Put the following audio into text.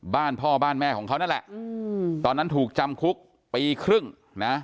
บ้านพ่อบ้านแม่ของเขานั่นแหละตอนนั้นถูกจำคุกปีครึ่งนะ